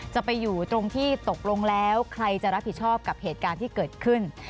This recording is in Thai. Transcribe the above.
จะไปอยู่ตรงที่ตกลงแล้วใครจะรับผิดชอบกับเหตุการณ์ที่เกิดขึ้น